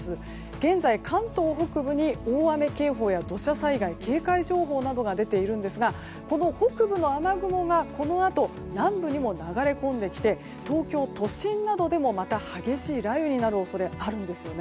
現在、関東北部に大雨警報や土砂災害警戒情報などが出ているんですがこの北部の雨雲がこのあと南部にも流れ込んできて東京都心などでもまた激しい雷雨になる恐れがあるんですね。